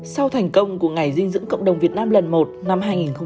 sau thành công của ngày dinh dưỡng cộng đồng việt nam lần một năm hai nghìn hai mươi ba